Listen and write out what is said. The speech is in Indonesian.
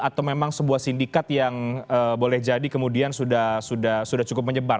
atau memang sebuah sindikat yang boleh jadi kemudian sudah cukup menyebar